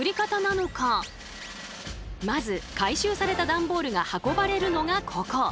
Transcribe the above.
まず回収された段ボールが運ばれるのがここ。